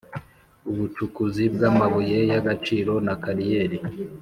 ubucukuzi bw’ amabuye y’ agaciro na kariyeri